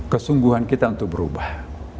kesungguhan kita untuk berubah